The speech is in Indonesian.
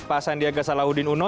pak sandiaga salahuddin uno